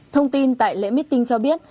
thông tin tại lễ meeting cho biết